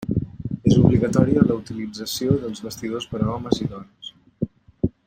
És obligatòria la utilització dels vestidors per a homes i dones.